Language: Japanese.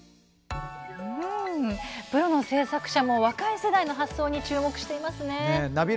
プロの制作者も若い世代の発想に注目していますね。